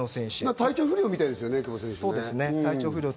体調不良みたいですよね、久保選手。